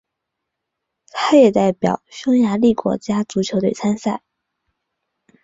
他也代表匈牙利国家足球队参赛。